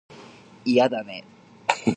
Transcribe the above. いやだね